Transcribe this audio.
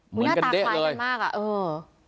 เหมือนกันเด๊ะเลยหน้าตากลายกันมาก